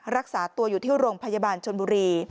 รักษาตัวอยู่ที่โรงพยาบาลชนบุรี